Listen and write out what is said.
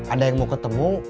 ada yang mau ketemu